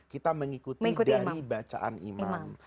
kita mengikuti dari bacaan imam